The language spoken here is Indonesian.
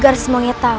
agar semuanya terbaik